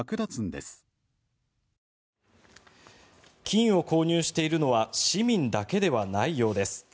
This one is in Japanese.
金を購入しているのは市民だけではないようです。